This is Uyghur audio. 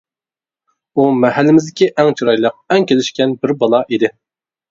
ئۇ مەھەللىمىزدىكى ئەڭ چىرايلىق، ئەڭ كېلىشكەن بىر بالا ئىدى.